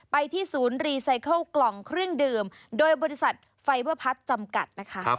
ไปที่ศูนย์รีไซเคิลกล่องเครื่องดื่มโดยบริษัทไฟเวอร์พัสจำกัดนะคะ